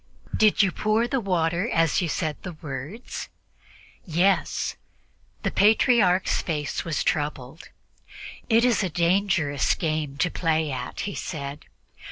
"Did you pour the water as you said the words?" "Yes." The Patriarch's face was troubled. "It is a dangerous game to play at," he said.